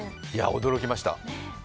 驚きました。